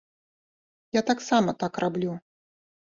Я таксама так раблю.